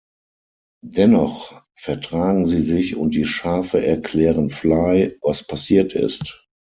Dennoch vertragen sie sich und die Schafe erklären Fly, was passiert ist.